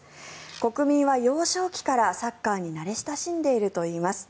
国民は幼少期からサッカーに慣れ親しんでいるといいます。